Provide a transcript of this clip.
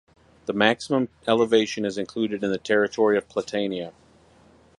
The maximum elevation is included in the territory of Platania